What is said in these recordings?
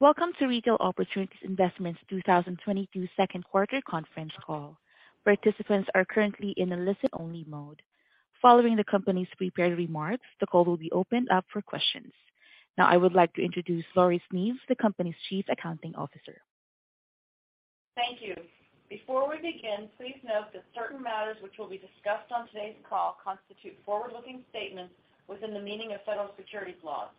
Welcome to Retail Opportunity Investments 2022 second quarterConference Call. Participants are currently in a listen only mode. Following the company's prepared remarks, the call will be opened up for questions. Now I would like to introduce Laurie Sneve, the company's Chief Accounting Officer. Thank you. Before we begin, please note that certain matters which will be discussed on today's call constitute forward-looking statements within the meaning of federal securities laws.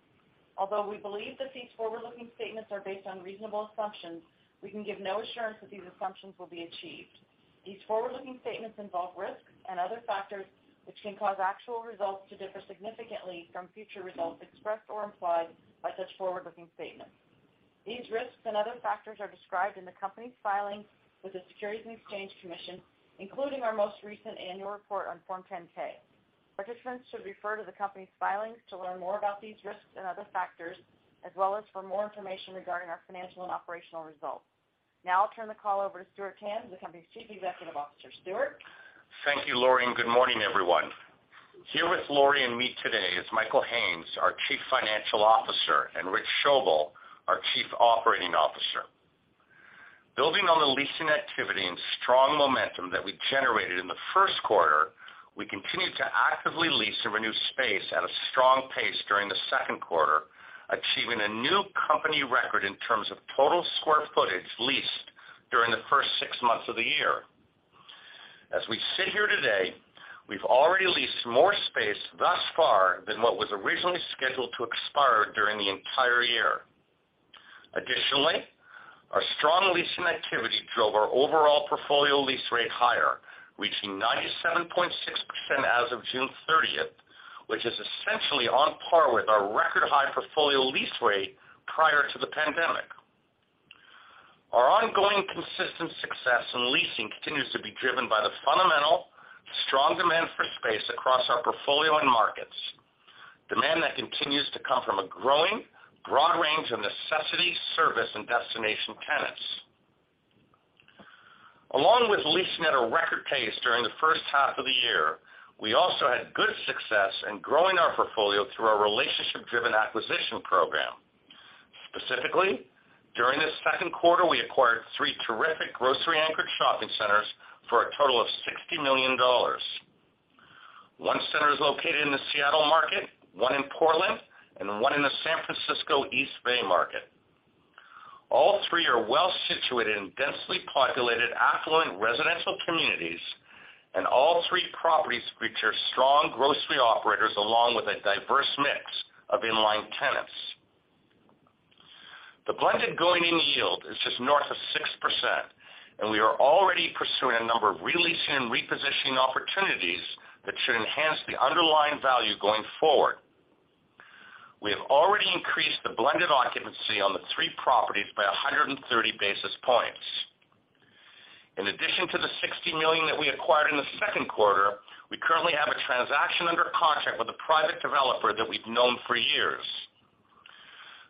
Although we believe that these forward-looking statements are based on reasonable assumptions, we can give no assurance that these assumptions will be achieved. These forward-looking statements involve risks and other factors which can cause actual results to differ significantly from future results expressed or implied by such forward-looking statements. These risks and other factors are described in the company's filings with the Securities and Exchange Commission, including our most recent annual report on Form 10-K. Participants should refer to the company's filings to learn more about these risks and other factors, as well as for more information regarding our financial and operational results. Now I'll turn the call over to Stuart Tanz, the company's executive officer. Stuart. Thank you, Lori, and good morning, everyone. Here with Lori and me today is Michael Haines, our Chief Financial Officer, and Rich Schoebel, our Chief Operating Officer. Building on the leasing activity and strong momentum that we generated in the first quarter, we continued to actively lease and renew space at a strong pace during the second quarter, achieving a new company record in terms of total square footage leased during the first six months of the year. As we sit here today, we've already leased more space thus far than what was originally scheduled to expire during the entire year. Additionally, our strong leasing activity drove our overall portfolio lease rate higher, reaching 97.6% as of June 13th, which is essentially on par with our record high portfolio lease rate prior to the pandemic. Our ongoing consistent success in leasing continues to be driven by the fundamental strong demand for space across our portfolio and markets, demand that continues to come from a growing broad range of necessity service and destination tenants. Along with leasing at a record pace during the first half of the year, we also had good success in growing our portfolio through our relationship driven acquisition program. Specifically, during this second quarter, we acquired three terrific grocery-anchored shopping centers for a total of $60 million. One center is located in the Seattle market, one in Portland, and one in the San Francisco East Bay market. All three are well situated in densely populated, affluent residential communities, and all three properties feature strong grocery operators along with a diverse mix of inline tenants. The blended going-in yield is just north of 6%, and we are already pursuing a number of re-leasing and repositioning opportunities that should enhance the underlying value going forward. We have already increased the blended occupancy on the three properties by 130 basis points. In addition to the $60 million that we acquired in the second quarter, we currently have a transaction under contract with a private developer that we've known for years.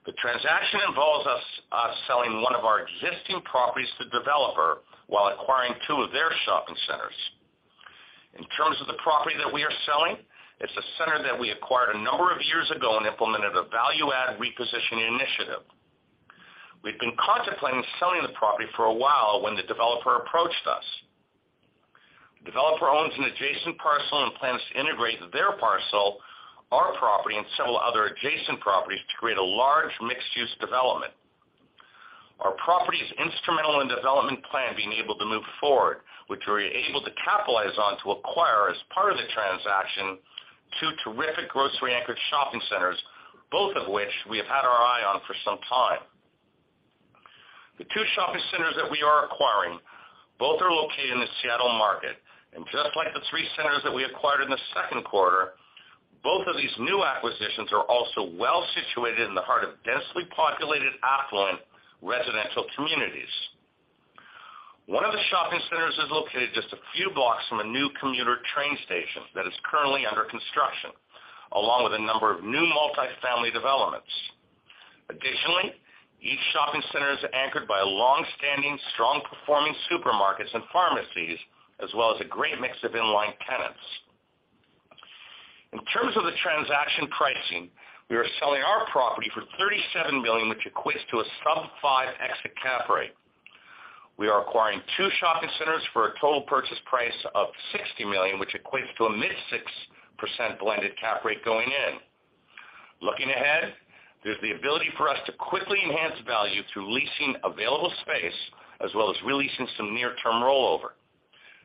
The transaction involves us selling one of our existing properties to developer while acquiring two of their shopping centers. In terms of the property that we are selling, it's a center that we acquired a number of years ago and implemented a value-add repositioning initiative. We've been contemplating selling the property for a while when the developer approached us. The developer owns an adjacent parcel and plans to integrate their parcel, our property, and several other adjacent properties to create a large mixed-use development. Our property is instrumental in development plan being able to move forward, which we're able to capitalize on to acquire as part of the transaction two terrific grocery-anchored shopping centers, both of which we have had our eye on for some time. The two shopping centers that we are acquiring both are located in the Seattle market. Just like the three centers that we acquired in the second quarter, both of these new acquisitions are also well situated in the heart of densely populated, affluent residential communities. One of the shopping centers is located just a few blocks from a new commuter train station that is currently under construction, along with a number of new multi-family developments. Additionally, each shopping center is anchored by longstanding strong performing supermarkets and pharmacies, as well as a great mix of inline tenants. In terms of the transaction pricing, we are selling our property for $37 million, which equates to a sub-5% exit cap rate. We are acquiring two shopping centers for a total purchase price of $60 million, which equates to a mid-6% blended cap rate going in. Looking ahead, there's the ability for us to quickly enhance value through leasing available space as well as re-leasing some near-term rollover.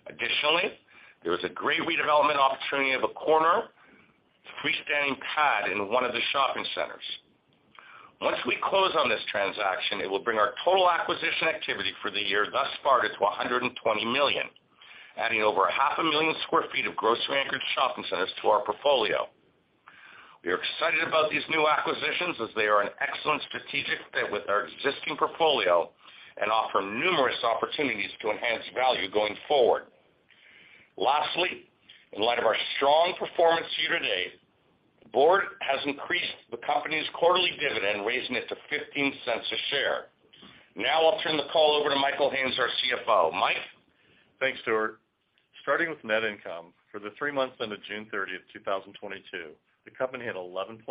Additionally, there is a great redevelopment opportunity of a corner freestanding pad in one of the shopping centers. Once we close on this transaction, it will bring our total acquisition activity for the year thus far to $120 million, adding over 500,000 sq ft of grocery-anchored shopping centers to our portfolio. We are excited about these new acquisitions as they are an excellent strategic fit with our existing portfolio and offer numerous opportunities to enhance value going forward. Lastly, in light of our strong performance here today, the board has increased the company's quarterly dividend, raising it to $0.15 a share. Now I'll turn the call over to Michael Haines, our CFO. Mike. Thanks, Stuart. Starting with net income, for the three months ended June 30, 2022, the company had $11.5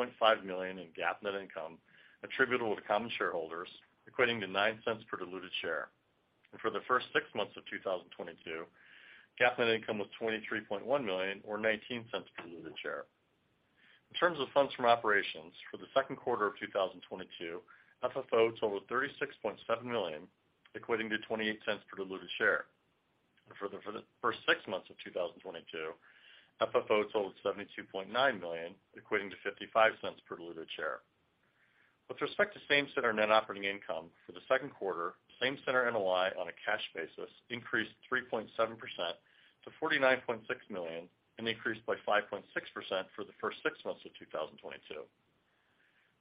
million in GAAP net income attributable to common shareholders, equating to $0.09 per diluted share. For the first six months of 2022, GAAP net income was $23.1 million or $0.19 per diluted share. In terms of funds from operations, for the second quarter of 2022, FFO totaled $36.7 million, equating to $0.28 per diluted share. For the first six months of 2022, FFO totaled $72.9 million, equating to $0.55 per diluted share. With respect to same center net operating income for the second quarter, same center NOI on a cash basis increased 3.7% to $49.6 million and increased by 5.6% for the first six months of 2022.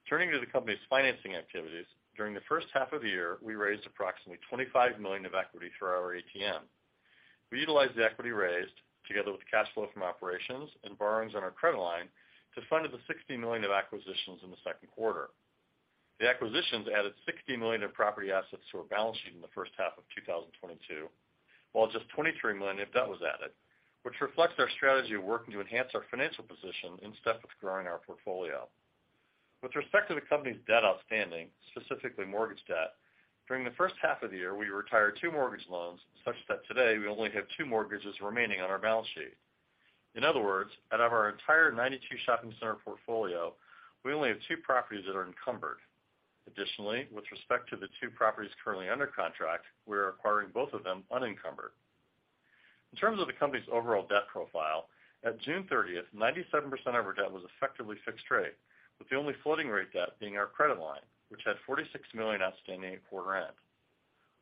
Turning to the company's financing activities, during the first half of the year, we raised approximately $25 million of equity through our ATM. We utilized the equity raised together with cash flow from operations and borrowings on our credit line to fund the $60 million of acquisitions in the second quarter. The acquisitions added $60 million of property assets to our balance sheet in the first half of 2022, while just $23 million of debt was added, which reflects our strategy of working to enhance our financial position in step with growing our portfolio. With respect to the company's debt outstanding, specifically mortgage debt, during the first half of the year, we retired two mortgage loans such that today we only have two mortgages remaining on our balance sheet. In other words, out of our entire 92 shopping center portfolio, we only have two properties that are encumbered. Additionally, with respect to the two properties currently under contract, we are acquiring both of them unencumbered. In terms of the company's overall debt profile, at June 30, 97% of our debt was effectively fixed rate, with the only floating rate debt being our credit line, which had $46 million outstanding at quarter end.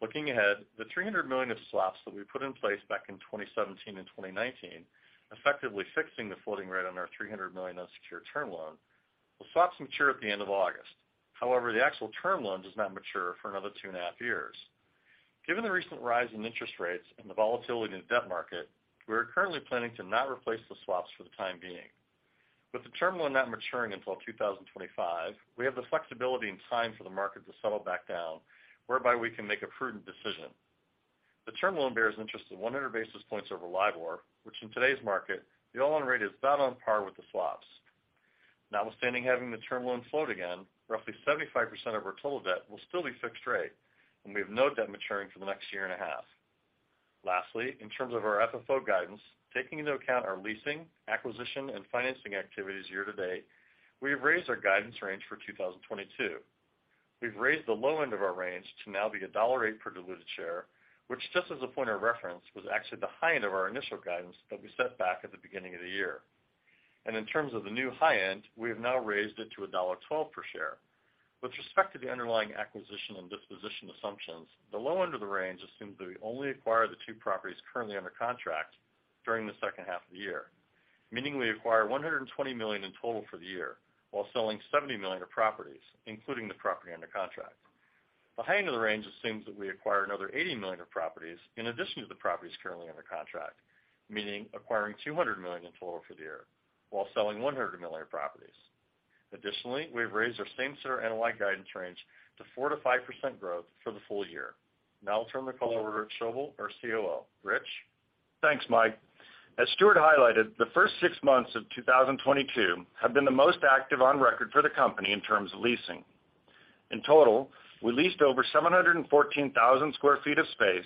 Looking ahead, the $300 million of swaps that we put in place back in 2017 and 2019, effectively fixing the floating rate on our $300 million unsecured term loan. The swaps mature at the end of August. However, the actual term loan does not mature for another two and a half years. Given the recent rise in interest rates and the volatility in the debt market, we are currently planning to not replace the swaps for the time being. With the term loan not maturing until 2025, we have the flexibility and time for the market to settle back down, whereby we can make a prudent decision. The term loan bears interest of 100 basis points over LIBOR, which in today's market, the all-in rate is about on par with the swaps. Notwithstanding having the term loan float again, roughly 75% of our total debt will still be fixed rate, and we have no debt maturing for the next year and a half. Lastly, in terms of our FFO guidance, taking into account our leasing, acquisition, and financing activities year to date, we have raised our guidance range for 2022. We've raised the low end of our range to now be $1.08 per diluted share, which just as a point of reference, was actually the high end of our initial guidance that we set back at the beginning of the year. In terms of the new high end, we have now raised it to $1.12 per share. With respect to the underlying acquisition and disposition assumptions, the low end of the range assumes that we only acquire the two properties currently under contract during the second half of the year, meaning we acquire $120 million in total for the year while selling $70 million of properties, including the property under contract. The high end of the range assumes that we acquire another $80 million of properties in addition to the properties currently under contract, meaning acquiring $200 million in total for the year while selling $100 million of properties. Additionally, we've raised our same center NOI guidance range to 4%-5% growth for the full year. Now I'll turn the call over to Rich Schoebel, our COO. Rich? Thanks, Mike. As Stuart highlighted, the first six months of 2022 have been the most active on record for the company in terms of leasing. In total, we leased over 714,000 sq ft of space,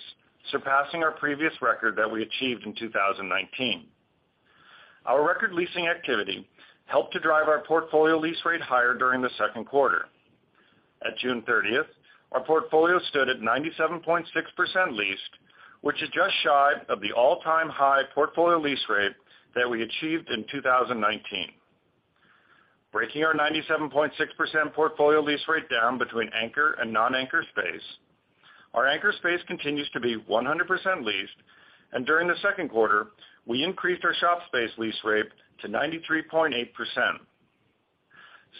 surpassing our previous record that we achieved in 2019. Our record leasing activity helped to drive our portfolio lease rate higher during the second quarter. At June 30th, our portfolio stood at 97.6% leased, which is just shy of the all-time high portfolio lease rate that we achieved in 2019. Breaking our 97.6% portfolio lease rate down between anchor and non-anchor space, our anchor space continues to be 100% leased, and during the second quarter, we increased our shop space lease rate to 93.8%.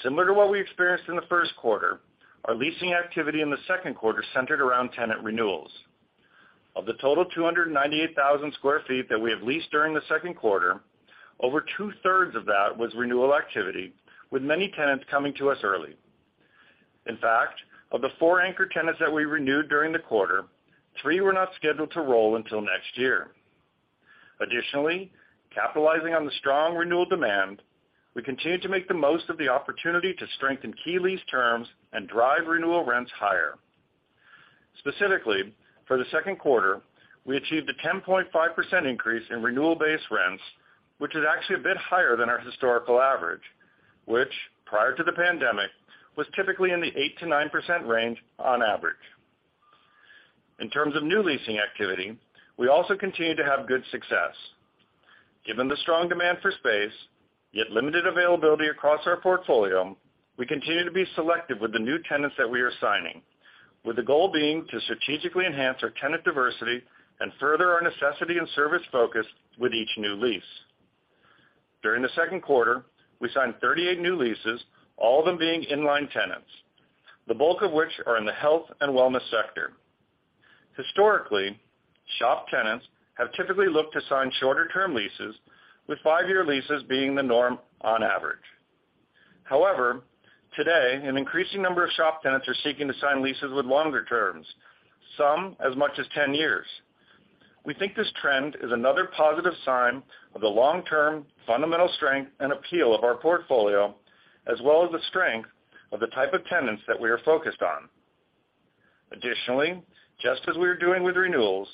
Similar to what we experienced in the first quarter, our leasing activity in the second quarter centered around tenant renewals. Of the total 298,000 sq ft that we have leased during the second quarter, over two-thirds of that was renewal activity, with many tenants coming to us early. In fact, of the four anchor tenants that we renewed during the quarter, three were not scheduled to roll until next year. Additionally, capitalizing on the strong renewal demand, we continued to make the most of the opportunity to strengthen key lease terms and drive renewal rents higher. Specifically, for the second quarter, we achieved a 10.5% increase in renewal base rents, which is actually a bit higher than our historical average, which prior to the pandemic, was typically in the 8%-9% range on average. In terms of new leasing activity, we also continued to have good success. Given the strong demand for space, yet limited availability across our portfolio, we continue to be selective with the new tenants that we are signing, with the goal being to strategically enhance our tenant diversity and further our necessity and service focus with each new lease. During the second quarter, we signed 38 new leases, all of them being inline tenants, the bulk of which are in the health and wellness sector. Historically, shop tenants have typically looked to sign shorter-term leases, with five-year leases being the norm on average. However, today, an increasing number of shop tenants are seeking to sign leases with longer-terms, some as much as 10 years. We think this trend is another positive sign of the long-term fundamental strength and appeal of our portfolio, as well as the strength of the type of tenants that we are focused on. Additionally, just as we are doing with renewals,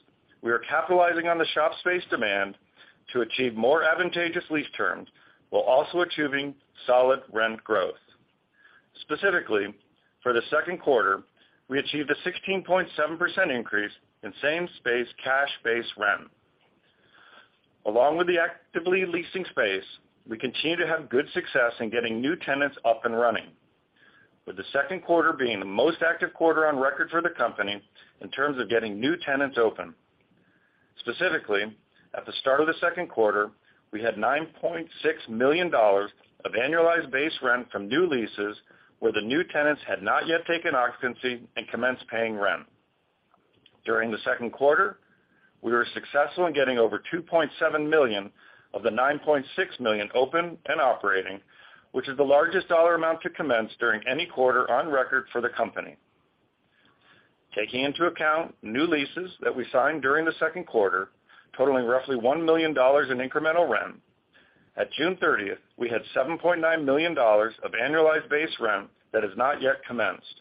we are capitalizing on the shop space demand to achieve more advantageous lease terms while also achieving solid rent growth. Specifically for the second quarter, we achieved a 16.7% increase in same space cash base rent. Along with the actively leasing space, we continue to have good success in getting new tenants up and running, with the second quarter being the most active quarter on record for the company in terms of getting new tenants open. Specifically, at the start of the second quarter, we had $9.6 million of annualized base rent from new leases where the new tenants had not yet taken occupancy and commenced paying rent. During the second quarter, we were successful in getting over $2.7 million of the $9.6 million open and operating, which is the largest dollar amount to commence during any quarter on record for the company. Taking into account new leases that we signed during the second quarter, totaling roughly $1 million in incremental rent, at June 30, we had $7.9 million of annualized base rent that has not yet commenced.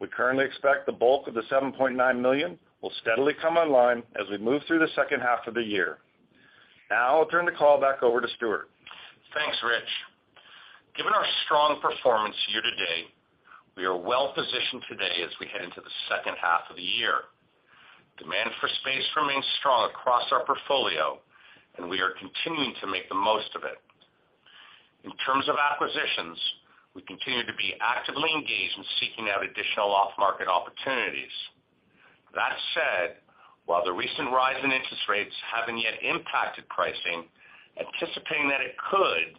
We currently expect the bulk of the $7.9 million will steadily come online as we move through the second half of the year. Now I'll turn the call back over to Stuart. Thanks, Rich. Given our strong performance year to date, we are well positioned today as we head into the second half of the year. Demand for space remains strong across our portfolio, and we are continuing to make the most of it. In terms of acquisitions, we continue to be actively engaged in seeking out additional off-market opportunities. That said, while the recent rise in interest rates haven't yet impacted pricing, anticipating that it could,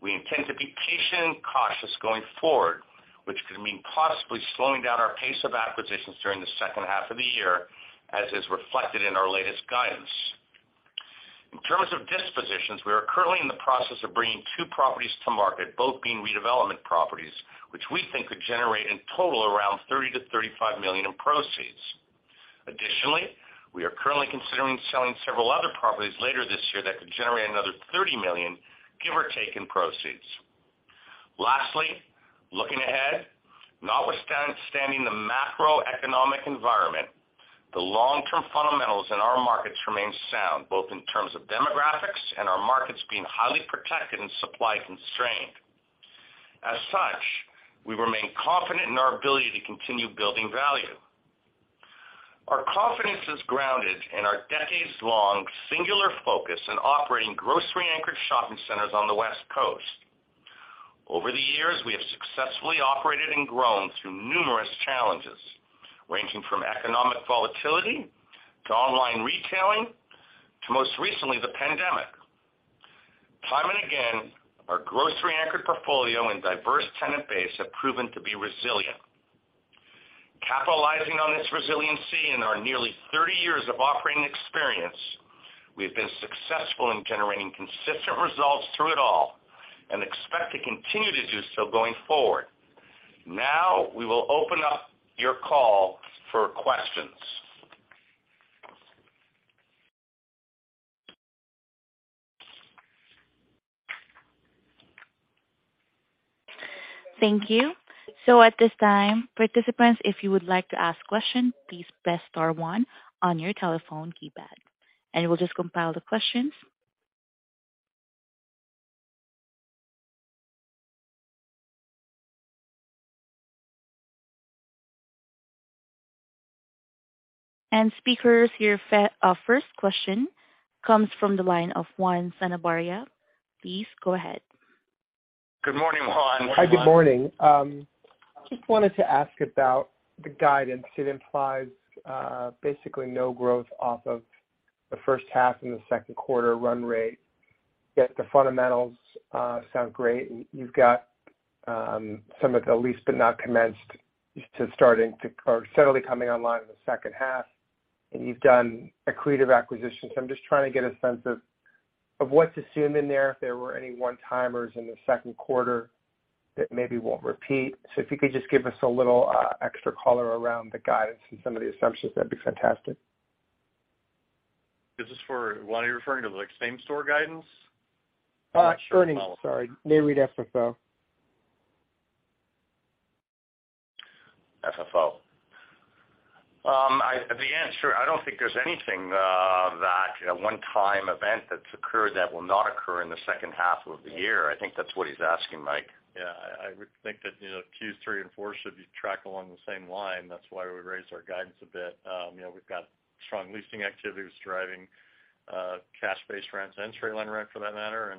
we intend to be patient and cautious going forward, which could mean possibly slowing down our pace of acquisitions during the second half of the year, as is reflected in our latest guidance. In terms of dispositions, we are currently in the process of bringing two properties to market, both being redevelopment properties, which we think could generate in total around $30 million-$35 million in proceeds. Additionally, we are currently considering selling several other properties later this year that could generate another $30 million, give or take, in proceeds. Lastly, looking ahead, notwithstanding the macroeconomic environment, the long-term fundamentals in our markets remain sound, both in terms of demographics and our markets being highly protected and supply constrained. As such, we remain confident in our ability to continue building value. Our confidence is grounded in our decades-long singular focus on operating grocery-anchored shopping centers on the West Coast. Over the years, we have successfully operated and grown through numerous challenges, ranging from economic volatility to online retailing to most recently, the pandemic. Time and again, our grocery-anchored portfolio and diverse tenant base have proven to be resilient. Capitalizing on this resiliency and our nearly 30 years of operating experience, we've been successful in generating consistent results through it all and expect to continue to do so going forward. Now we will open up your call for questions. Thank you. At this time, participants, if you would like to ask questions, please press star one on your telephone keypad. We'll just compile the questions. Speakers, your first question comes from the line of Juan Sanabria. Please go ahead. Good morning, Juan. How are you? Hi. Good morning. Just wanted to ask about the guidance. It implies basically no growth off of the first half and the second quarter run rate, yet the fundamentals sound great. You've got some of the leased but not commenced to starting to or steadily coming online in the second half, and you've done accretive acquisitions. I'm just trying to get a sense of what to assume in there, if there were any one-timers in the second quarter that maybe won't repeat. If you could just give us a little extra color around the guidance and some of the assumptions, that'd be fantastic. This is for Juan, are you referring to, like, same store guidance? Nareit FFO. FFO. The answer, I don't think there's anything that a one-time event that's occurred that will not occur in the second half of the year. I think that's what he's asking, Mike. Yeah. I would think that, you know, Q3 and Q4 should be tracked along the same line. That's why we raised our guidance a bit. You know, we've got strong leasing activity that's driving cash base rents and straight line rent for that matter.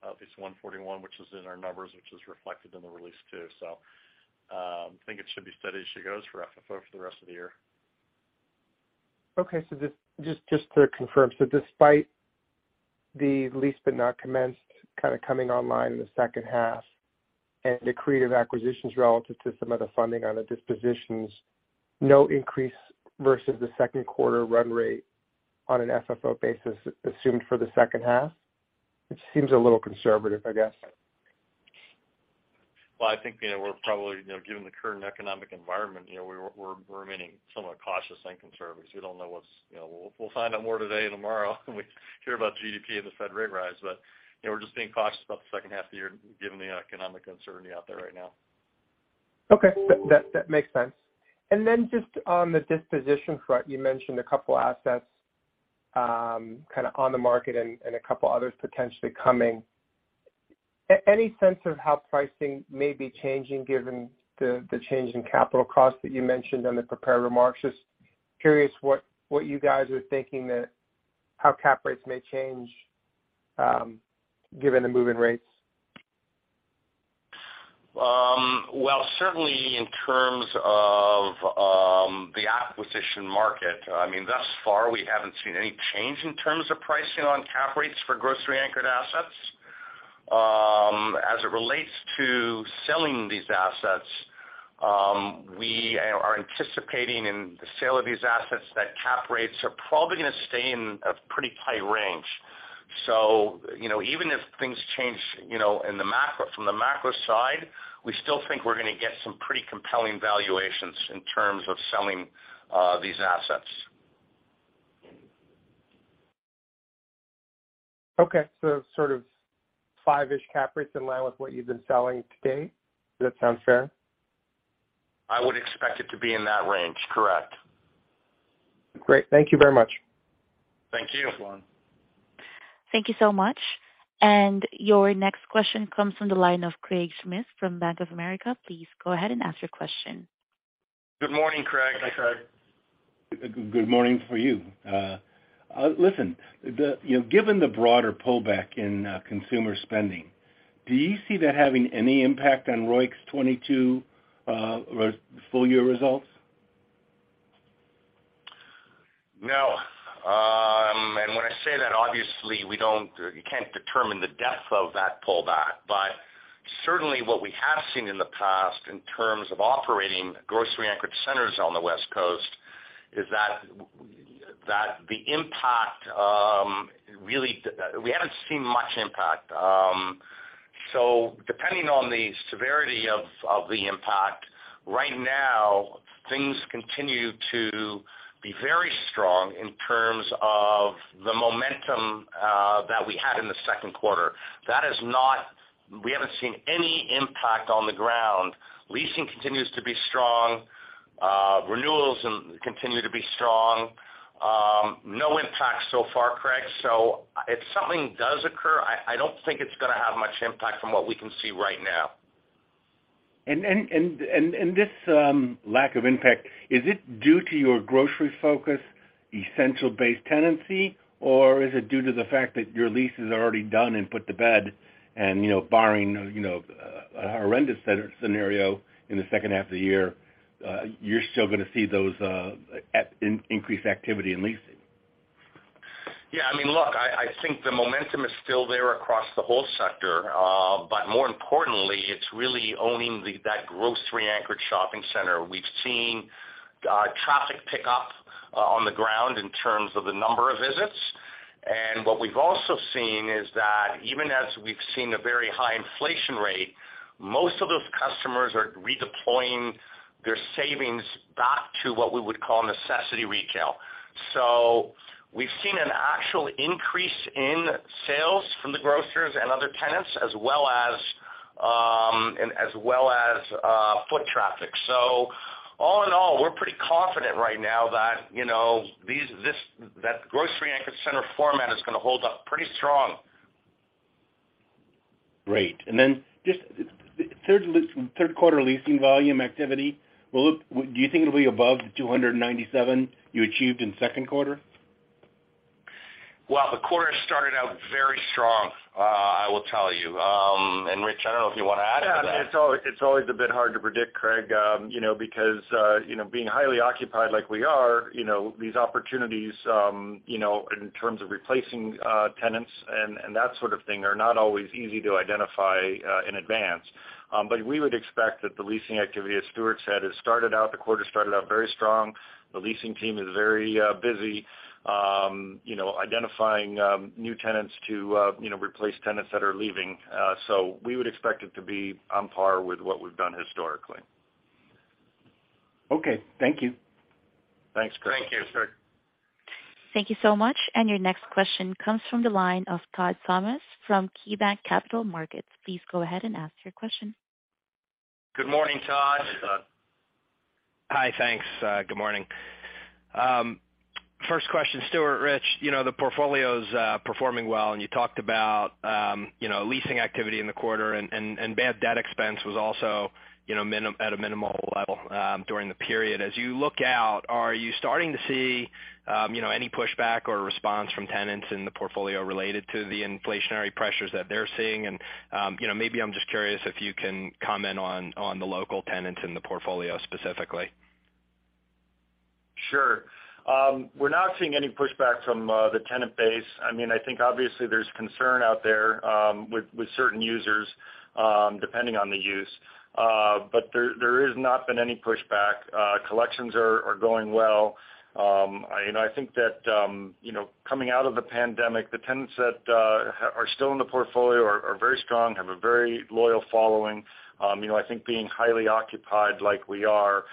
Obviously FAS 141, which is in our numbers, which is reflected in the release too. Think it should be steady as she goes for FFO for the rest of the year. Okay. Just to confirm. Despite the leased but not commenced kinda coming online in the second half and the accretive acquisitions relative to some of the funding on the dispositions, no increase versus the second quarter run rate on an FFO basis assumed for the second half? It seems a little conservative, I guess. I think, you know, we're probably, you know, given the current economic environment, you know, we're remaining somewhat cautious and conservative because we don't know what's. You know, we'll find out more today and tomorrow when we hear about GDP and the Fed rate rise. You know, we're just being cautious about the second half of the year given the economic uncertainty out there right now. Okay. That makes sense. Then just on the disposition front, you mentioned a couple assets, kind of on the market and a couple others potentially coming. Any sense of how pricing may be changing given the change in capital costs that you mentioned on the prepared remarks? Just curious what you guys are thinking that how cap rates may change, given the moving rates. Well, certainly in terms of the acquisition market, I mean, thus far, we haven't seen any change in terms of pricing on cap rates for grocery-anchored assets. As it relates to selling these assets, we are anticipating in the sale of these assets that cap rates are probably gonna stay in a pretty tight range. You know, even if things change, you know, from the macro side, we still think we're gonna get some pretty compelling valuations in terms of selling these assets. Okay. Sort of five-ish cap rates in line with what you've been selling to date. Does that sound fair? I would expect it to be in that range, correct? Great. Thank you very much. Thank you. Thanks, Juan Sanabria. Thank you so much. Your next question comes from the line of Craig Smith from Bank of America. Please go ahead and ask your question. Good morning, Craig. Hi, Craig. Good morning to you. Listen, you know, given the broader pullback in consumer spending, do you see that having any impact on ROIC's 2022 full year results? Well, certainly in terms of the acquisition market, I mean, thus far, we haven't seen any change in terms of pricing on cap rates for grocery-anchored assets. As it relates to selling these assets, we are anticipating in the sale of these assets that cap rates are probably gonna stay in a pretty tight range. You know, even if things change, you know, from the macro side, we still think we're gonna get some pretty compelling valuations in terms of selling these assets. No. When I say that, obviously, you can't determine the depth of that pullback. Certainly what we have seen in the past in terms of operating grocery-anchored centers on the West Coast is that the impact. We haven't seen much impact. Depending on the severity of the impact, right now things continue to be very strong in terms of the momentum that we had in the second quarter. We haven't seen any impact on the ground. Leasing continues to be strong. Renewals continue to be strong. No impact so far, Craig. If something does occur, I don't think it's gonna have much impact from what we can see right now. This lack of impact, is it due to your grocery focus, essential-based tenancy, or is it due to the fact that your leases are already done and put to bed and, you know, a horrendous scenario in the second half of the year, you're still gonna see those increased activity in leasing? Yeah. I mean, look, I think the momentum is still there across the whole sector. More importantly, it's really owning that grocery-anchored shopping center. We've seen traffic pick up on the ground in terms of the number of visits. What we've also seen is that even as we've seen a very high inflation rate, most of those customers are redeploying their savings back to what we would call necessity retail. We've seen an actual increase in sales from the grocers and other tenants, as well as foot traffic. All in all, we're pretty confident right now that, you know, that grocery-anchored center format is gonna hold up pretty strong. Great. Just third quarter leasing volume activity, do you think it'll be above the 297 you achieved in second quarter? Well, the quarter started out very strong, I will tell you. Rich, I don't know if you wanna add to that. Yeah. It's always a bit hard to predict, Craig, you know, because, you know, being highly occupied like we are, you know, these opportunities, you know, in terms of replacing tenants and that sort of thing are not always easy to identify in advance. We would expect that the leasing activity, as Stuart said, has started out. The quarter started out very strong. The leasing team is very busy, you know, identifying new tenants to you know replace tenants that are leaving. We would expect it to be on par with what we've done historically. Okay. Thank you. Thanks, Craig. Thank you, Craig. Thank you so much. Your next question comes from the line of Todd Thomas from KeyBanc Capital Markets. Please go ahead and ask your question. Good morning, Todd. Hey, Todd. Hi. Thanks. Good morning. First question, Stuart, Rich, you know, the portfolio's performing well, and you talked about, you know, leasing activity in the quarter and bad debt expense was also, you know, at a minimal level during the period. As you look out, are you starting to see, you know, any pushback or response from tenants in the portfolio related to the inflationary pressures that they're seeing? You know, maybe I'm just curious if you can comment on the local tenants in the portfolio specifically. Sure. We're not seeing any pushback from the tenant base. I mean, I think obviously there's concern out there with certain users. Depending on the use. There has not been any pushback. Collections are going well. You know, I think that you know, coming out of the pandemic, the tenants that are still in the portfolio are very strong, have a very loyal following. You know, I think being highly occupied like we are,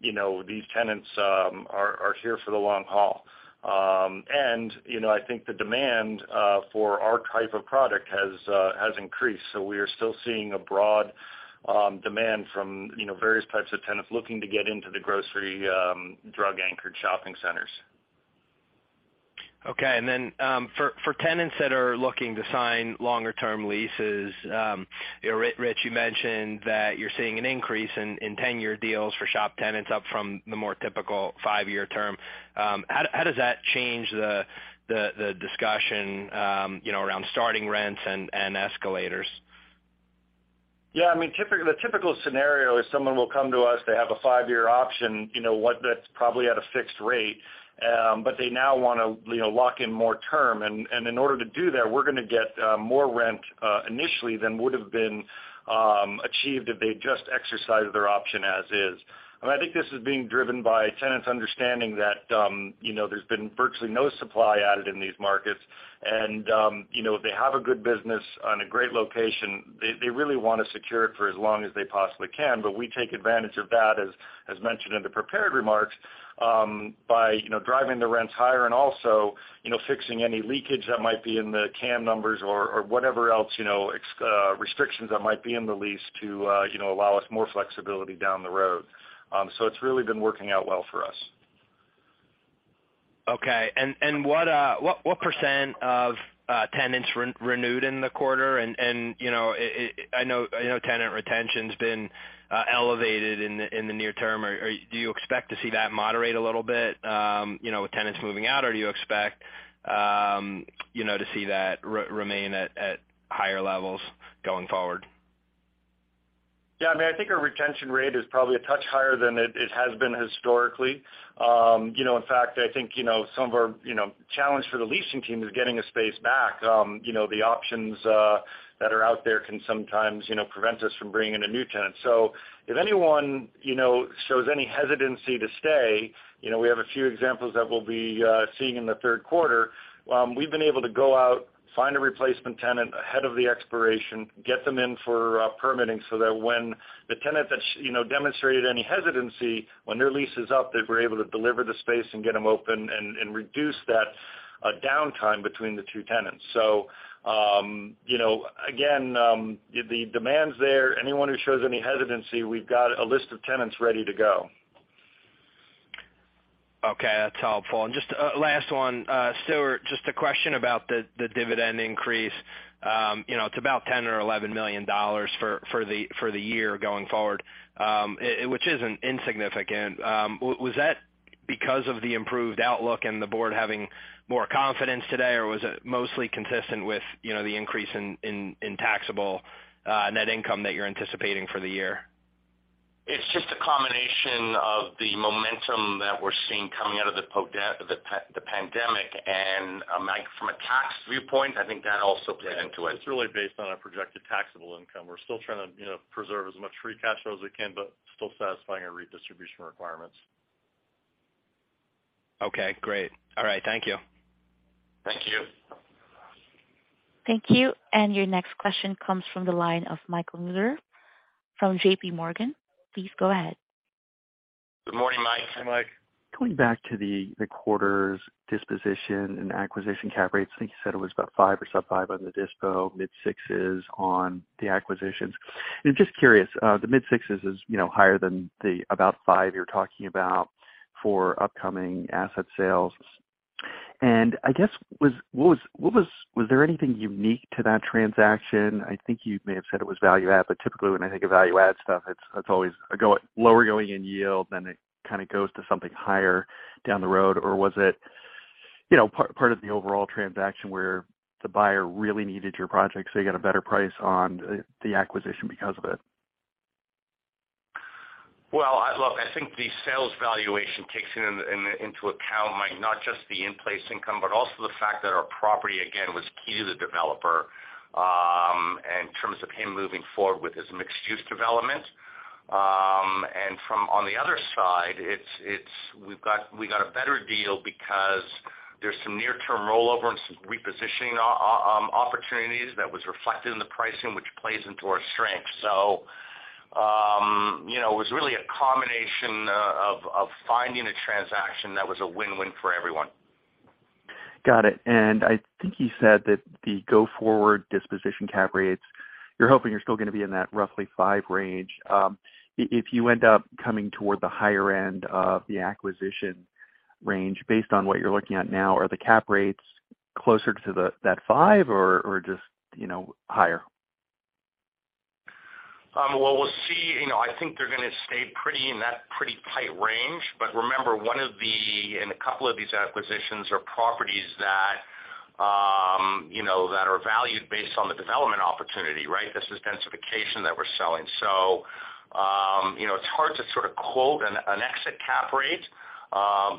you know, these tenants are here for the long haul. You know, I think the demand for our type of product has increased. We are still seeing a broad demand from, you know, various types of tenants looking to get into the grocery- and drug-anchored shopping centers. Okay. For tenants that are looking to sign longer term leases, you know, Rich, you mentioned that you're seeing an increase in 10-year deals for shop tenants up from the more typical five-year term. How does that change the discussion, you know, around starting rents and escalators? Yeah, I mean, the typical scenario is someone will come to us. They have a five-year option, you know, that's probably at a fixed rate, but they now wanna, you know, lock in more term. In order to do that, we're gonna get more rent initially than would have been achieved if they just exercised their option as is. I think this is being driven by tenants understanding that, you know, there's been virtually no supply added in these markets. You know, if they have a good business on a great location, they really wanna secure it for as long as they possibly can. We take advantage of that, as mentioned in the prepared remarks, by, you know, driving the rents higher and also, you know, fixing any leakage that might be in the CAM numbers or whatever else, you know, existing restrictions that might be in the lease to, you know, allow us more flexibility down the road. So it's really been working out well for us. Okay. What % of tenants renewed in the quarter? You know, I know tenant retention's been elevated in the near-term. Or do you expect to see that moderate a little bit, you know, with tenants moving out? Or do you expect, you know, to see that remain at higher levels going forward? Yeah, I mean, I think our retention rate is probably a touch higher than it has been historically. You know, in fact, I think, you know, some of our, you know, challenge for the leasing team is getting a space back. You know, the options that are out there can sometimes, you know, prevent us from bringing in a new tenant. So if anyone, you know, shows any hesitancy to stay, you know, we have a few examples that we'll be seeing in the third quarter. We've been able to go out, find a replacement tenant ahead of the expiration, get them in for permitting so that when the tenant that's, you know, demonstrated any hesitancy when their lease is up, that we're able to deliver the space and get them open and reduce that downtime between the two tenants. You know, again, the demand's there. Anyone who shows any hesitancy, we've got a list of tenants ready to go. Okay, that's helpful. Just a last one. Stuart, just a question about the dividend increase. You know, it's about $10 million or $11 million for the year going forward, which isn't insignificant. Was that because of the improved outlook and the board having more confidence today, or was it mostly consistent with, you know, the increase in taxable net income that you're anticipating for the year? It's just a combination of the momentum that we're seeing coming out of the pandemic. Mike, from a tax viewpoint, I think that also played into it. It's really based on our projected taxable income. We're still trying to, you know, preserve as much free cash flow as we can, but still satisfying our redistribution requirements. Okay, great. All right. Thank you. Thank you. Thank you. Your next question comes from the line of Michael Miller from J.P. Morgan. Please go ahead. Good morning, Mike. Hi, Mike. Going back to the quarter's disposition and acquisition cap rates, I think you said it was about five or sub-five on the dispo, mid-6s on the acquisitions. Just curious, the mid-6s is, you know, higher than the about five you're talking about for upcoming asset sales. I guess, what was there anything unique to that transaction? I think you may have said it was value add, but typically when I think of value add stuff, it's always a lower going in yield, then it kind of goes to something higher down the road. Was it, you know, part of the overall transaction where the buyer really needed your project, so you got a better price on the acquisition because of it? Well, look, I think the sales valuation takes into account, Mike, not just the in-place income, but also the fact that our property, again, was key to the developer in terms of him moving forward with his mixed-use development. From the other side, it's, we got a better deal because there's some near-term rollover and some repositioning opportunities that was reflected in the pricing, which plays into our strength. You know, it was really a combination of finding a transaction that was a win-win for everyone. Got it. I think you said that the go forward disposition cap rates, you're hoping you're still gonna be in that roughly 5% range. If you end up coming toward the higher end of the acquisition range, based on what you're looking at now, are the cap rates closer to that 5% or just, you know, higher? Well, we'll see. You know, I think they're gonna stay pretty in that tight range. Remember, in a couple of these acquisitions are properties that, you know, that are valued based on the development opportunity, right? This is densification that we're selling. You know, it's hard to sort of quote an exit cap rate,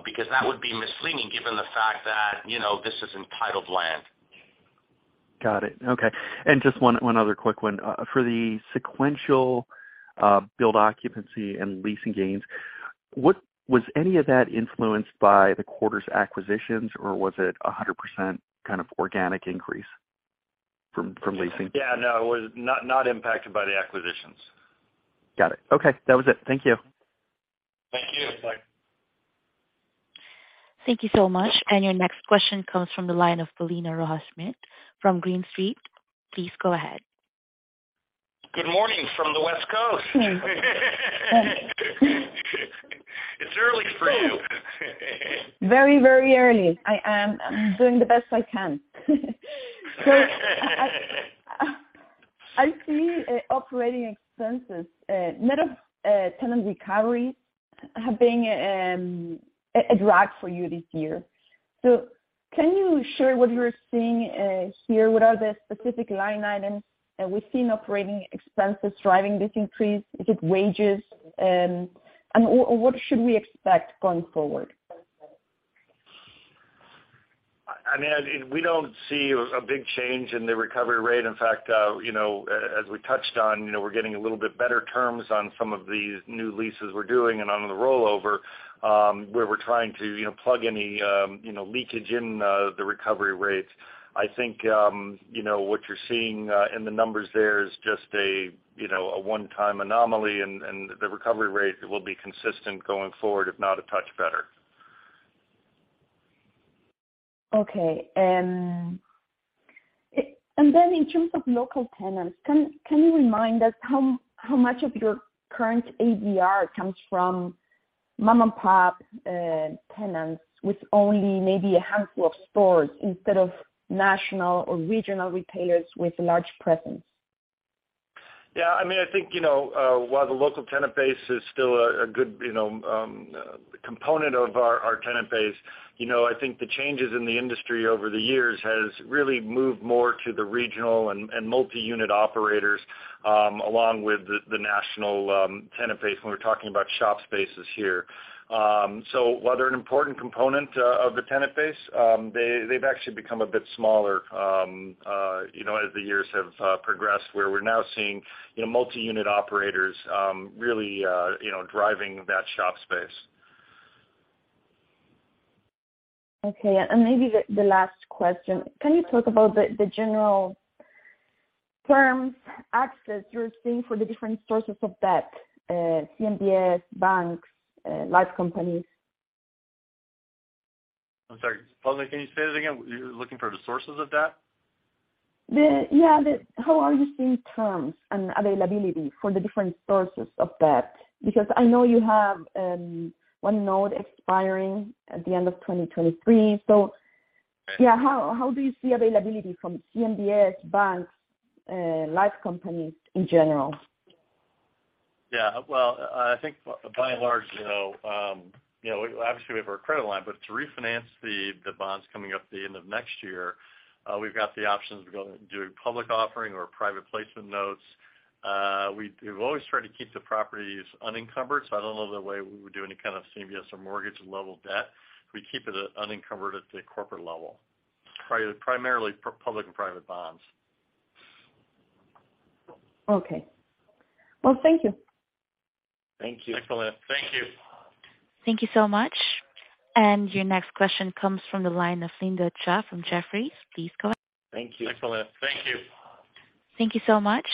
because that would be misleading given the fact that, you know, this is entitled land. Got it. Okay. Just one other quick one. For the sequential base occupancy and leasing gains, what was any of that influenced by the quarter's acquisitions, or was it 100% kind of organic increase from leasing? Yeah, no, it was not impacted by the acquisitions. Got it. Okay. That was it. Thank you. Thank you. Bye. Thank you so much. Your next question comes from the line of Paulina Rojas Schmidt from Green Street. Please go ahead. Good morning from the West Coast. It's early for you. Very, very early. I am doing the best I can. I see operating expenses, net of tenant recovery have been a drag for you this year. Can you share what you're seeing here? What are the specific line items that we see in operating expenses driving this increase? Is it wages? What should we expect going forward? I mean, we don't see a big change in the recovery rate. In fact, you know, as we touched on, you know, we're getting a little bit better terms on some of these new leases we're doing and on the rollover, where we're trying to, you know, plug any, you know, leakage in the recovery rates. I think, you know, what you're seeing in the numbers there is just a, you know, a one-time anomaly, and the recovery rate will be consistent going forward, if not a touch better. In terms of local tenants, can you remind us how much of your current ABR comes from mom-and-pop tenants with only maybe a handful of stores instead of national or regional retailers with a large presence? Yeah. I mean, I think, you know, while the local tenant base is still a good, you know, component of our tenant base, you know, I think the changes in the industry over the years has really moved more to the regional and multi-unit operators, along with the national tenant base when we're talking about shop spaces here. While they're an important component of the tenant base, they've actually become a bit smaller, you know, as the years have progressed, where we're now seeing, you know, multi-unit operators really, you know, driving that shop space. Okay. Maybe the last question. Can you talk about the general terms and access you're seeing for the different sources of debt, CMBS, banks, life companies? I'm sorry. Paulina, can you say that again? You're looking for the sources of debt? How are you seeing terms and availability for the different sources of debt? Because I know you have one note expiring at the end of 2023. Yeah, how do you see availability from CMBS, banks, life companies in general? Yeah. Well, I think by and large, you know, you know, obviously we have our credit line, but to refinance the bonds coming up at the end of next year, we've got the options to go do a public offering or private placement notes. We've always tried to keep the properties unencumbered, so I don't know the way we would do any kind of CMBS or mortgage level debt. We keep it unencumbered at the corporate level. Primarily public and private bonds. Okay. Well, thank you. Thank you. Thanks, Paulina. Thank you. Thank you so much. Your next question comes from the line of Linda Tsai from Jefferies. Please go ahead. Thank you. Thanks, Paulina. Thank you. Thank you so much.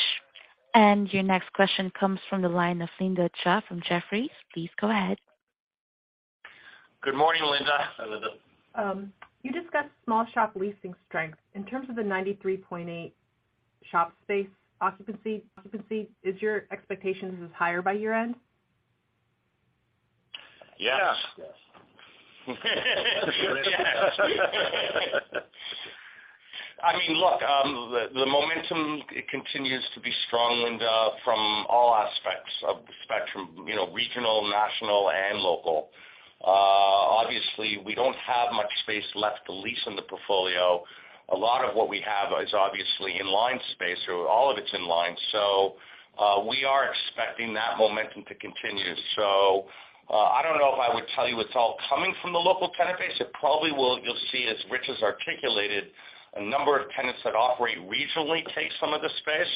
Your next question comes from the line of Linda Tsai from Jefferies. Please go ahead. Good morning, Linda. Linda. You discussed small shop leasing strength. In terms of the 93.8 shop space occupancy, is your expectation this is higher by year-end? Yes. I mean, look, the momentum continues to be strong, Linda, from all aspects of the spectrum, you know, regional, national, and local. Obviously, we don't have much space left to lease in the portfolio. A lot of what we have is obviously in-line space, or all of it's in line. We are expecting that momentum to continue. I don't know if I would tell you it's all coming from the local tenant base. It probably will. You'll see, as Rich has articulated, a number of tenants that operate regionally take some of the space,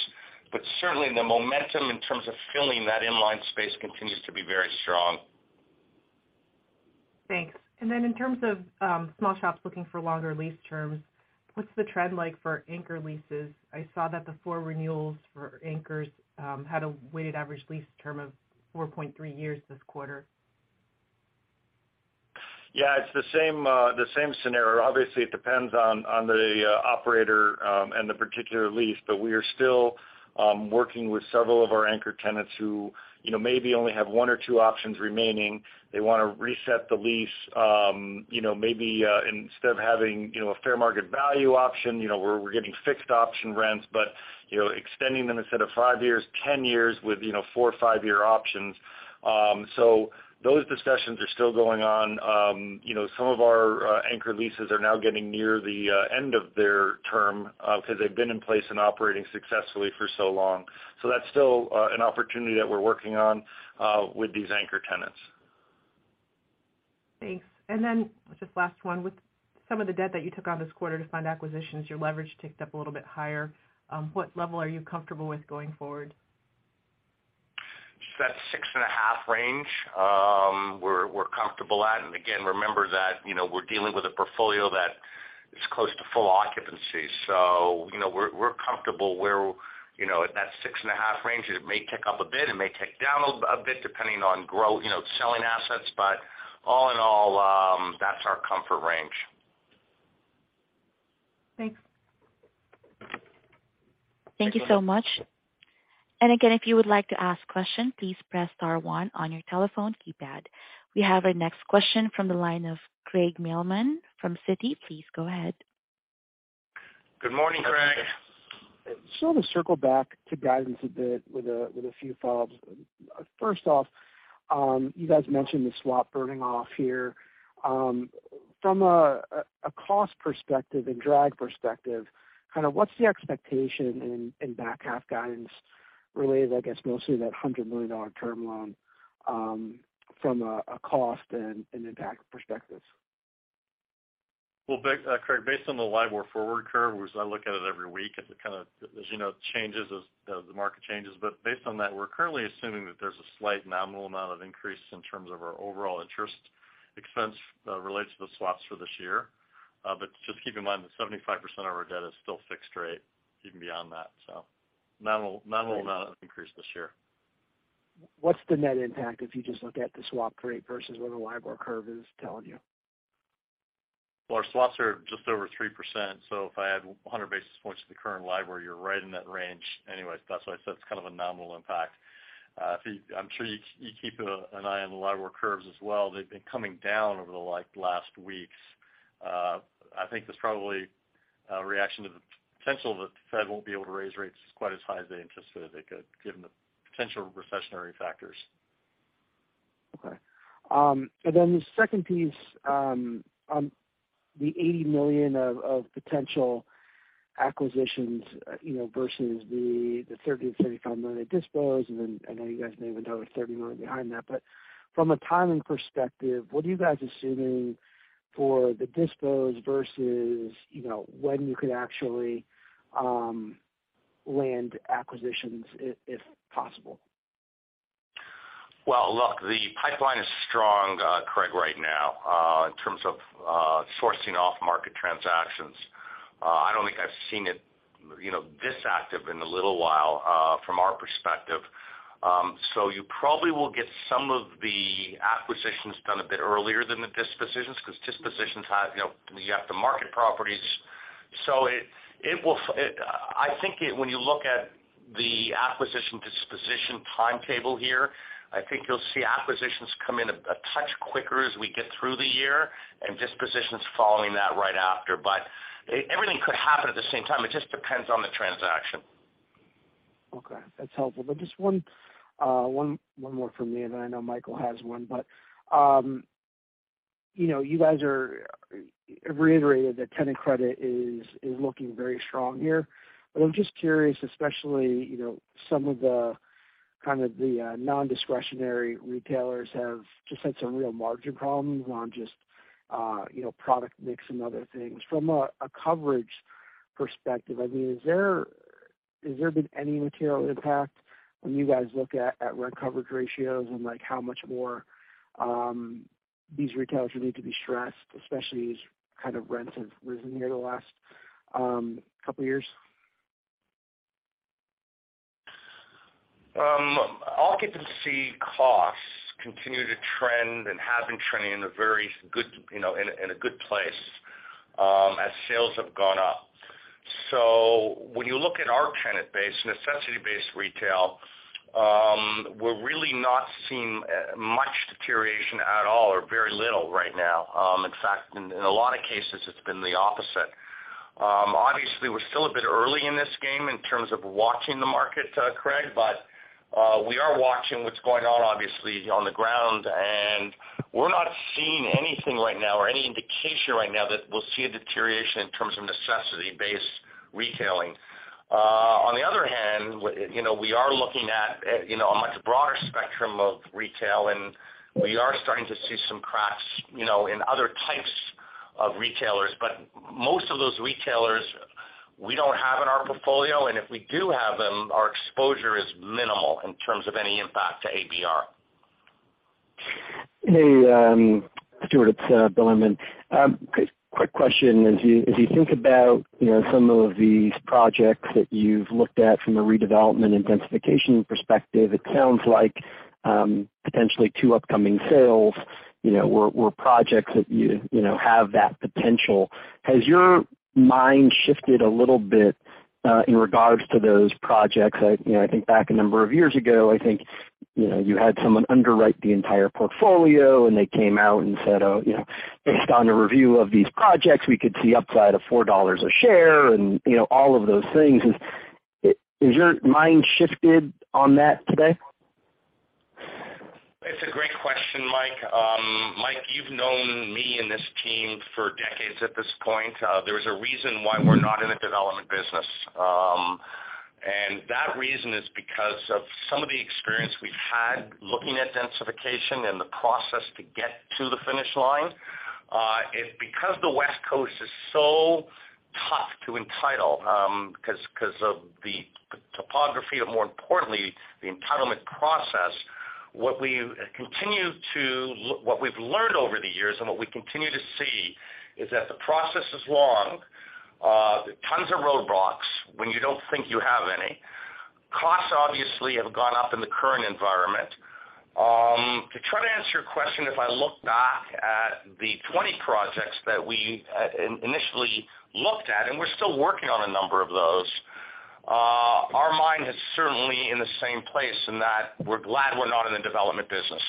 but certainly the momentum in terms of filling that in-line space continues to be very strong. Thanks. In terms of small shops looking for longer lease terms, what's the trend like for anchor leases? I saw that the 4 renewals for anchors had a weighted average lease term of 4.3 years this quarter. Yeah, it's the same scenario. Obviously, it depends on the operator and the particular lease, but we are still working with several of our anchor tenants who, you know, maybe only have one or two options remaining. They wanna reset the lease, you know, maybe instead of having, you know, a fair market value option, you know, we're getting fixed option rents, but, you know, extending them instead of five years, 10 years with, you know, four or five-year options. Those discussions are still going on. You know, some of our anchor leases are now getting near the end of their term because they've been in place and operating successfully for so long. That's still an opportunity that we're working on with these anchor tenants. Thanks. Just last one. With some of the debt that you took on this quarter to fund acquisitions, your leverage ticked up a little bit higher. What level are you comfortable with going forward? That 6.5 range, we're comfortable at. Again, remember that, you know, we're dealing with a portfolio that is close to full occupancy. You know, we're comfortable where, you know, at that 6.5 range. It may tick up a bit, it may tick down a bit depending on growth, you know, selling assets. All in all, that's our comfort range. Thanks. Thank you so much. Again, if you would like to ask question, please press star one on your telephone keypad. We have our next question from the line of Craig Mailman from Citi. Please go ahead. Good morning, Craig. To circle back to guidance a bit with a few follow-ups. First off, you guys mentioned the swap burning off here. From a cost perspective and drag perspective, kind of what's the expectation in back half guidance related, I guess, mostly that $100 million term loan, from a cost and impact perspective? Well, Craig, based on the LIBOR forward curve, which I look at it every week, and it kind of, as you know, changes as the market changes. Based on that, we're currently assuming that there's a slight nominal amount of increase in terms of our overall interest expense that relates to the swaps for this year. Just keep in mind that 75% of our debt is still fixed rate even beyond that, so nominal amount of increase this year. What's the net impact if you just look at the swap rate versus what the LIBOR curve is telling you? Well, our swaps are just over 3%, so if I add 100 basis points to the current LIBOR, you're right in that range anyway. That's why I said it's kind of a nominal impact. I'm sure you keep an eye on the LIBOR curves as well. They've been coming down over the like last weeks. I think that's probably a reaction to the potential that the Fed won't be able to raise rates quite as high as they anticipated they could, given the potential recessionary factors. Okay. The second piece, on the $80 million of potential acquisitions, you know, versus the $30 million-$35 million dispositions. I know you guys may even throw a $30 million behind that. From a timing perspective, what are you guys assuming for the dispositions versus, you know, when you could actually land acquisitions if possible? Well, look, the pipeline is strong, Craig, right now, in terms of sourcing off market transactions. I don't think I've seen it, you know, this active in a little while, from our perspective. You probably will get some of the acquisitions done a bit earlier than the dispositions, because dispositions have, you know, you have to market properties. I think when you look at the acquisition disposition timetable here, I think you'll see acquisitions come in a touch quicker as we get through the year and dispositions following that right after. Everything could happen at the same time. It just depends on the transaction. Okay, that's helpful. Just one more from me, and then I know Michael has one. You know, you guys have reiterated that tenant credit is looking very strong here. I'm just curious, especially, you know, some of the non-discretionary retailers have just had some real margin problems around just product mix and other things. From a coverage perspective, I mean, has there been any material impact when you guys look at rent coverage ratios and, like, how much more these retailers would need to be stressed, especially as rents have risen here the last couple years? Occupancy costs continue to trend and have been trending in a very good place, you know, as sales have gone up. When you look at our tenant base, necessity-based retail, we're really not seeing much deterioration at all or very little right now. In fact, in a lot of cases it's been the opposite. Obviously, we're still a bit early in this game in terms of watching the market, Craig, but we are watching what's going on, obviously, on the ground. We're not seeing anything right now or any indication right now that we'll see a deterioration in terms of necessity-based retailing. on the other hand, you know, we are looking at, you know, a much broader spectrum of retail, and we are starting to see some cracks, you know, in other types of retailers. Most of those retailers we don't have in our portfolio, and if we do have them, our exposure is minimal in terms of any impact to ABR. Hey, Stuart, it's Bill Lenehan. Quick question. As you think about, you know, some of these projects that you've looked at from a redevelopment intensification perspective, it sounds like potentially two upcoming sales, you know, or projects that you know have that potential. Has your mind shifted a little bit in regards to those projects? You know, I think back a number of years ago, you know, you had someone underwrite the entire portfolio, and they came out and said, oh, you know, based on a review of these projects, we could see upside of $4 a share and, you know, all of those things. Is your mind shifted on that today? It's a great question, Mike. Mike, you've known me and this team for decades at this point. There is a reason why we're not in the development business. That reason is because of some of the experience we've had looking at densification and the process to get to the finish line. It's because the West Coast is so tough to entitle, because of the topography and more importantly, the entitlement process. What we've learned over the years and what we continue to see is that the process is long. Tons of roadblocks when you don't think you have any. Costs obviously have gone up in the current environment. To try to answer your question, if I look back at the 20 projects that we initially looked at, and we're still working on a number of those, our mind is certainly in the same place in that we're glad we're not in the development business.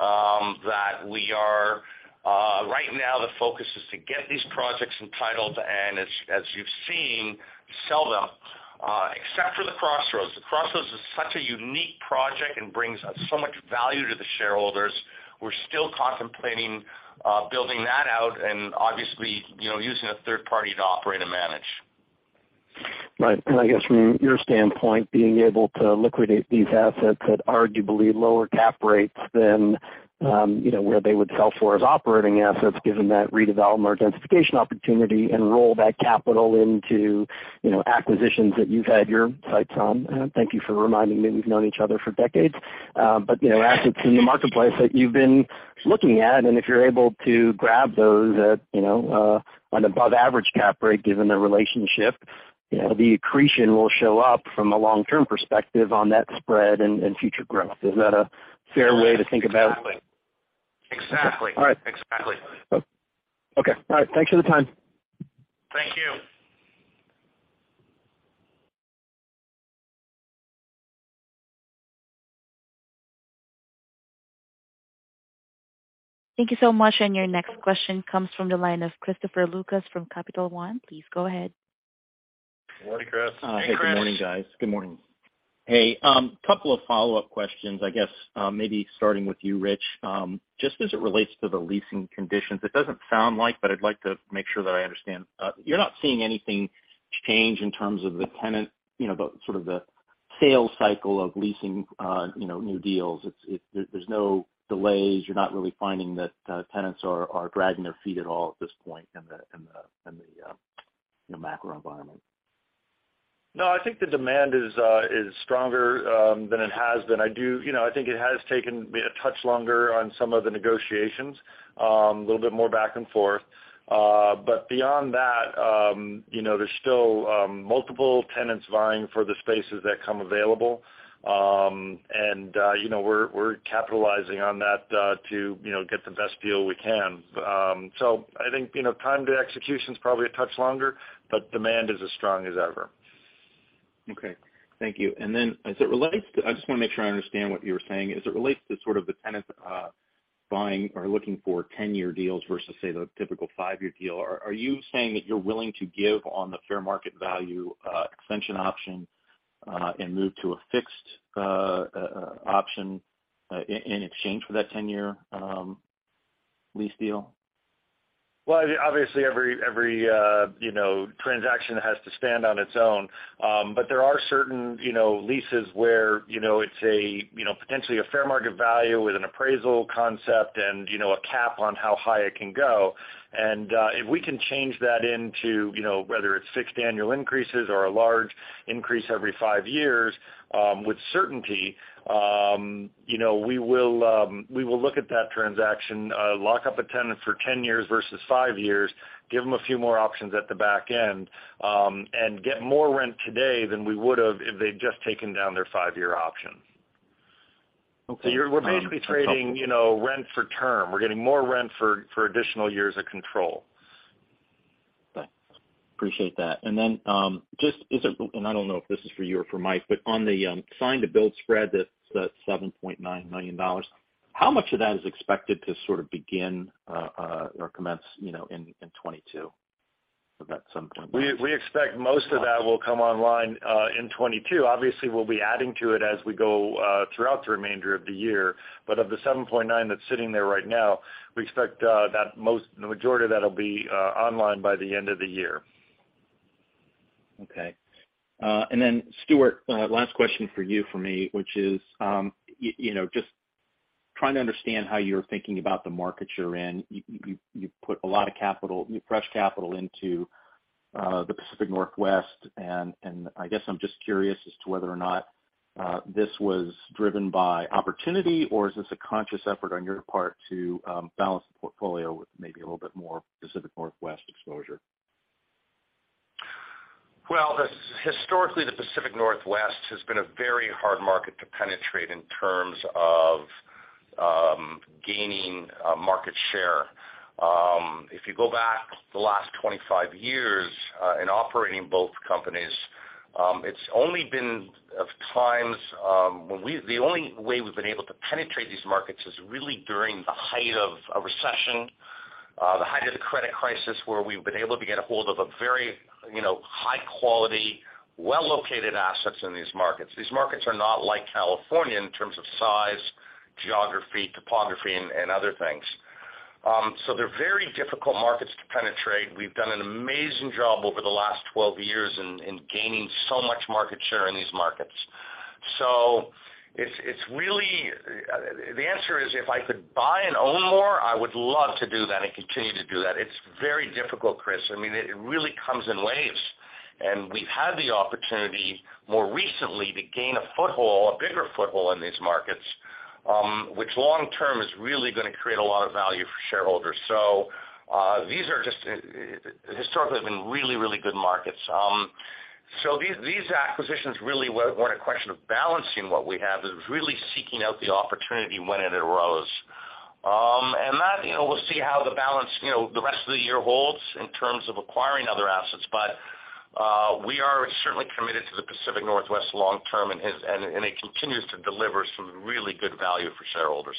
Right now the focus is to get these projects entitled, and as you've seen, sell them, except for The Crossroads. The Crossroads is such a unique project and brings so much value to the shareholders. We're still contemplating building that out and obviously, you know, using a third party to operate and manage. Right. I guess from your standpoint, being able to liquidate these assets at arguably lower cap rates than, you know, where they would sell for as operating assets, given that redevelop or densification opportunity and roll that capital into, you know, acquisitions that you've had your sights on. Thank you for reminding me we've known each other for decades. You know, assets in the marketplace that you've been looking at, and if you're able to grab those at, you know, an above average cap rate given the relationship, you know, the accretion will show up from a long-term perspective on that spread and future growth. Is that a fair way to think about it? Exactly. All right. Exactly. Okay. All right. Thanks for the time. Thank you. Thank you so much. Your next question comes from the line of Christopher Lucas from Capital One. Please go ahead. Morning, Chris. Hey, Chris. Good morning, guys. Good morning. Hey, couple of follow-up questions, I guess, maybe starting with you, Rich. Just as it relates to the leasing conditions, it doesn't sound like, but I'd like to make sure that I understand. You're not seeing anything change in terms of the tenant, you know, the sort of sales cycle of leasing, you know, new deals. There's no delays. You're not really finding that tenants are dragging their feet at all at this point in the macro environment. No, I think the demand is stronger than it has been. You know, I think it has taken me a touch longer on some of the negotiations, a little bit more back and forth. Beyond that, you know, there's still multiple tenants vying for the spaces that come available. You know, we're capitalizing on that, to, you know, get the best deal we can. I think, you know, time to execution is probably a touch longer, but demand is as strong as ever. Okay. Thank you. I just wanna make sure I understand what you were saying. As it relates to sort of the tenant buying or looking for 10-year deals versus say the typical five-year deal, are you saying that you're willing to give on the fair market value extension option and move to a fixed option in exchange for that 10-year lease deal? Well, obviously every you know transaction has to stand on its own. There are certain you know leases where you know it's a you know potentially a fair market value with an appraisal concept and you know a cap on how high it can go. If we can change that into you know whether it's fixed annual increases or a large increase every five years with certainty you know we will look at that transaction lock up a tenant for 10 years versus five years give them a few more options at the back end and get more rent today than we would have if they'd just taken down their five-year option. Okay. We're basically trading, you know, rent for term. We're getting more rent for additional years of control. Okay. Appreciate that. I don't know if this is for you or for Mike, but on the signed to build spread, that's the $7.9 million, how much of that is expected to sort of begin or commence, you know, in 2022? Of that $7.9- We expect most of that will come online in 2022. Obviously, we'll be adding to it as we go throughout the remainder of the year. Of the $7.9 that's sitting there right now, we expect that most, the majority of that'll be online by the end of the year. Stuart, last question for you from me, which is, you know, just trying to understand how you're thinking about the markets you're in. You put a lot of capital, fresh capital into the Pacific Northwest, and I guess I'm just curious as to whether or not this was driven by opportunity or is this a conscious effort on your part to balance the portfolio with maybe a little bit more Pacific Northwest exposure? Well, historically, the Pacific Northwest has been a very hard market to penetrate in terms of gaining market share. If you go back the last 25 years in operating both companies, it's only been a few times. The only way we've been able to penetrate these markets is really during the height of a recession, the height of the credit crisis, where we've been able to get a hold of a very, you know, high quality, well-located assets in these markets. These markets are not like California in terms of size, geography, topography, and other things. They're very difficult markets to penetrate. We've done an amazing job over the last 12 years in gaining so much market share in these markets. The answer is, if I could buy and own more, I would love to do that and continue to do that. It's very difficult, Chris. I mean, it really comes in waves, and we've had the opportunity more recently to gain a foothold, a bigger foothold in these markets, which long-term is really gonna create a lot of value for shareholders. These are just historically been really good markets. These acquisitions really weren't a question of balancing what we have. It was really seeking out the opportunity when it arose. That, you know, we'll see how the balance, you know, the rest of the year holds in terms of acquiring other assets. We are certainly committed to the Pacific Northwest long-term, and it continues to deliver some really good value for shareholders.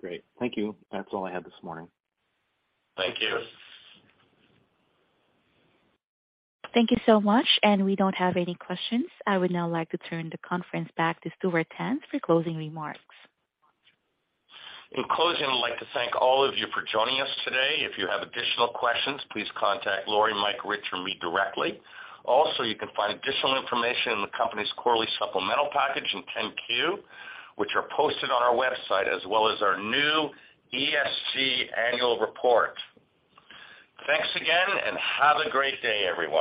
Great. Thank you. That's all I had this morning. Thank you. Thanks. Thank you so much. We don't have any questions. I would now like to turn the conference back to Stuart Tanz for closing remarks. In closing, I'd like to thank all of you for joining us today. If you have additional questions, please contact Lori, Mike, Rich, or me directly. Also, you can find additional information in the company's quarterly supplemental package in 10-Q, which are posted on our website, as well as our new ESG annual report. Thanks again, and have a great day, everyone.